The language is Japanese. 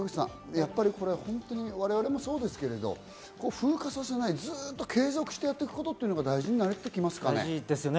やっぱりこれホントに我々もそうですけど風化させないずっと継続してやってくことっていうのが大事になって来ますかね？